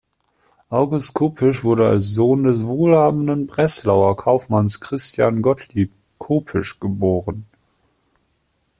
August Kopisch wurde als Sohn des wohlhabenden Breslauer Kaufmanns Christian Gottlieb Kopisch geboren.